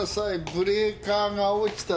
ブレーカーが落ちただけです。